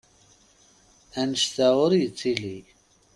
Annect-a ur yettili!